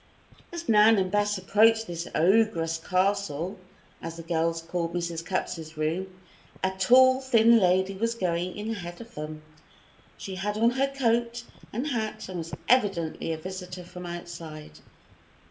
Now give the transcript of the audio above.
As Nan and Bess approached this "ogress' castle," as the girls called Mrs. Cupp's room, a tall, thin lady was going in ahead of them. She had on her coat and hat and was evidently a visitor from outside.